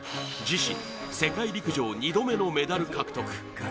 自身、世界陸上２度目のメダル獲得。